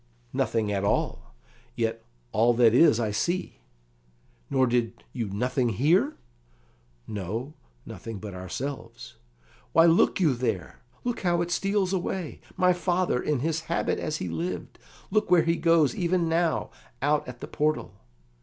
"Nothing at all; yet all that is, I see." "Nor did you nothing hear?" "No, nothing but ourselves." "Why, look you there! Look how it steals away! My father, in his habit as he lived! Look where he goes, even now, out at the portal."